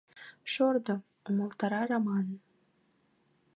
— Шордо, — умылтара Раман.